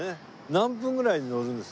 何分ぐらい乗るんですか？